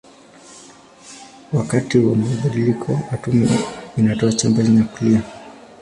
Wakati wa badiliko atomi inatoa chembe nyuklia.